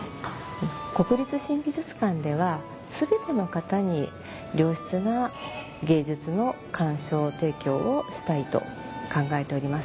国立新美術館では全ての方に良質な芸術の鑑賞提供をしたいと考えております。